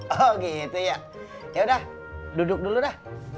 oh gitu iya yaudah duduk dulu dah